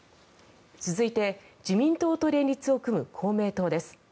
続いて、自民党と連立を組む公明党です。